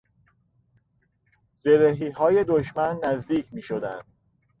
زرهیهای دشمن نزدیک میشدند.